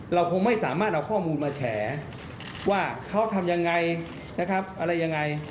เราคงไม่สามารถเอาข้อมูลมาแฉว่าเขาทำยังไงนะครับอะไรยังไง